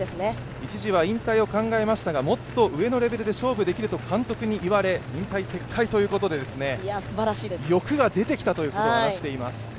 一時は引退も考えましたが、もっと上のレベルで勝負できると監督に言われ、引退撤回ということで欲が出てきたと話しています。